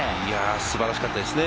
素晴らしかったですね。